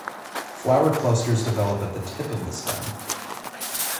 Flower clusters develop at the tip of the stem.